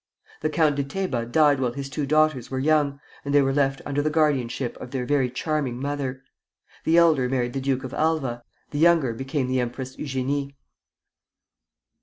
The Count de Teba died while his two daughters were young, and they were left under the guardianship of their very charming mother. The elder married the Duke of Alva; the younger became the Empress Eugénie.